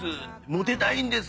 モテたいんです！」